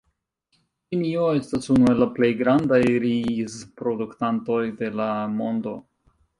Ĉinio estas unu el la plej grandaj rizproduktantoj de la mondo.